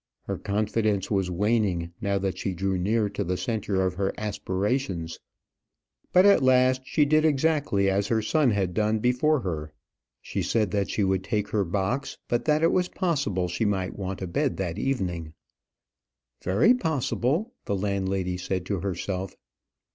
Her confidence was waning, now that she drew near to the centre of her aspirations. But at last she did exactly as her son had done before her. She said she would take her box; but that it was possible she might want a bed that evening. "Very possible," the landlady said to herself.